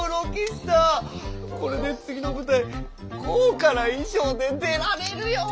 これで次の舞台豪華な衣装で出られるよ！